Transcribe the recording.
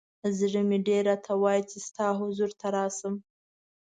ز ړه مې ډېر راته وایی چې ستا حضور ته راشم.